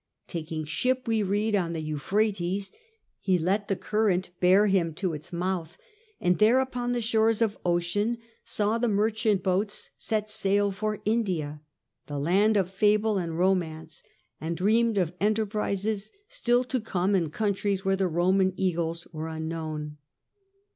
Taking Gulf. ship, we read, on the Euphrates, he let the current bear him to its mouth, and there upon the shores of ocean saw the merchant boats set sail for India, the land of fable and romance, and dreamed of enter prises still to come in countries where the Roman eagles were unknown.